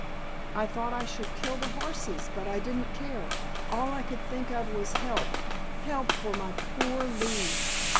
I thought I should kill the horses, but I didn't care, all I could think of was help—help for my poor Lee!"